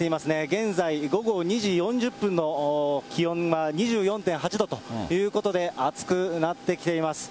現在、午後２時４０分の気温は２４．８度ということで、暑くなってきています。